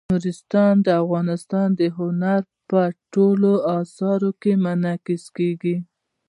نورستان د افغانستان د هنر په ټولو اثارو کې منعکس کېږي.